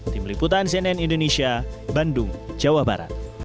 tim liputan cnn indonesia bandung jawa barat